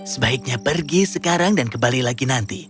sebaiknya pergi sekarang dan kembali lagi nanti